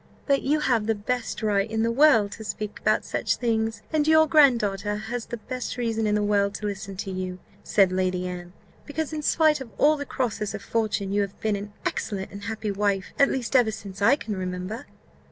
"But you have the best right in the world to speak about such things, and your grand daughter has the best reason in the world to listen to you," said Lady Anne, "because, in spite of all the crosses of fortune, you have been an excellent and happy wife, at least ever since I can remember."